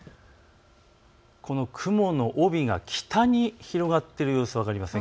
この雲の帯が北に広がっている様子が分かります。